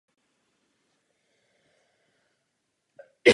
V Americe je považován za poměrně hojný druh.